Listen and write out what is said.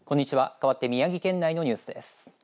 かわって宮城県内のニュースです。